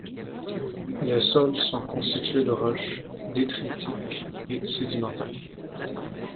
Les sols sont constitués de roches détritiques et sédimentaires.